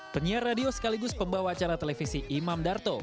penyiar radio sekaligus pembawa acara televisi imam darto